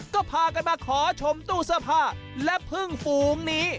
ก็พากันมาขอชมตู้เสื้อผ้าและพึ่งฝูงนี้